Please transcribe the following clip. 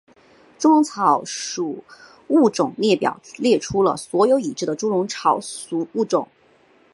猪笼草属物种列表列出了所有已知的猪笼草属物种。